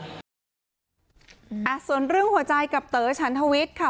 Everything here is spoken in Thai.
ส่วนเรื่องหัวใจกับเต๋อฉันทวิทย์ค่ะ